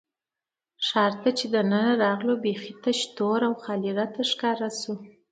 ښار ته چې دننه راغلو، بېخي تش، تور او خالي راته ښکاره شو.